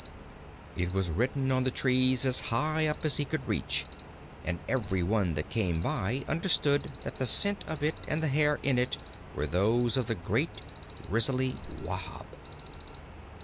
It was written on the trees as high up as he could reach, and every one that came by understood that the scent of it and the hair in it were those of the great Grizzly Wahb.